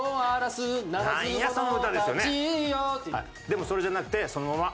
でもそれじゃなくてそのまま。